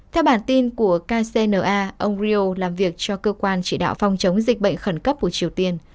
theo bản tin của kcna ông rio làm việc cho cơ quan chỉ đạo phòng chống dịch bệnh khẩn cấp của triều tiên